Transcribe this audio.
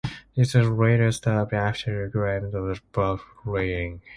This was later stopped after claims of vote rigging.